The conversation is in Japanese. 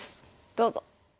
どうぞ！